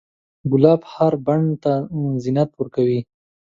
ګلاب هر بڼ ته زینت ورکوي.